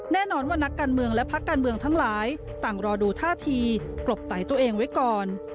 แน่นอนว่านักการเมืองและพักการเมืองทั้งหลายต่างรอดูท่าทีกลบไตตัวเองไว้ก่อน